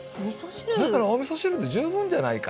だからおみそ汁で十分じゃないかと。